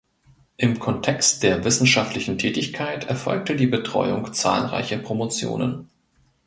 Im Kontext der wissenschaftlichen Tätigkeit erfolgte die Betreuung zahlreicher Promotionen.